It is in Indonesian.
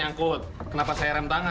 adonan hitam dan mengg